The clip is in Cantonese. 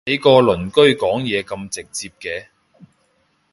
你個鄰居講嘢咁直接嘅？